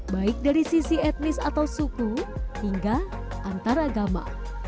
baik dari sisi etnis atau suku hingga antaragama